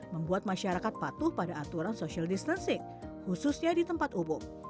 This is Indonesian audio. membuat masyarakat patuh pada aturan social distancing khususnya di tempat umum